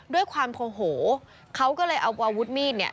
ด้วยความโมโหเขาก็เลยเอาอาวุธมีดเนี่ย